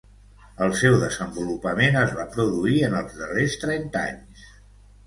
El seu desenvolupament es va produir en els darrers trenta anys.